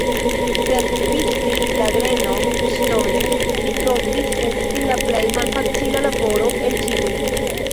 Sed, pisti la grenon ŝtone, mi trovis esti la plej malfacila laboro el ĉiuj.